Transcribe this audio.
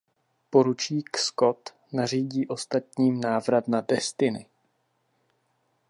Poručík Scott nařídí ostatním návrat na "Destiny".